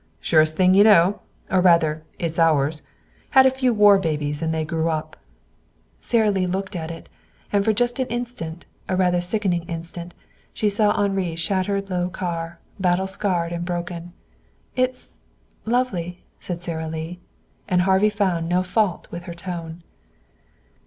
"Surest thing you know. Or, rather, it's ours. Had a few war babies, and they grew up." Sara Lee looked at it, and for just an instant, a rather sickening instant, she saw Henri's shattered low car, battle scarred and broken. "It's lovely," said Sara Lee. And Harvey found no fault with her tone.